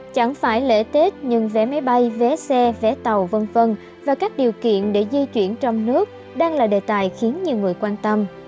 chẳng phải lễ tết nhưng vé máy bay vé xe vé tàu v v và các điều kiện để di chuyển trong nước đang là đề tài khiến nhiều người quan tâm